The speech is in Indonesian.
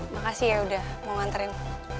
makasih ya mau nganterin